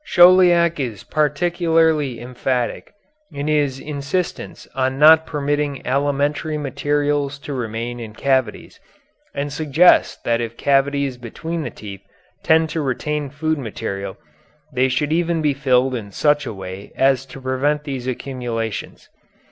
Chauliac is particularly emphatic in his insistence on not permitting alimentary materials to remain in cavities, and suggests that if cavities between the teeth tend to retain food material they should even be filed in such a way as to prevent these accumulations.